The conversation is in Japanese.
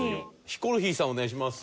ヒコロヒーさんお願いします。